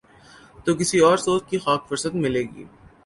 تو کسی اور سوچ کی خاک فرصت ملے گی۔